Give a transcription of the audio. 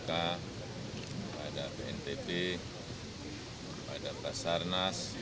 kepada bntb kepada pasar nas